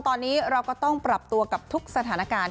ตอนนี้เราก็ต้องปรับตัวกับทุกสถานการณ์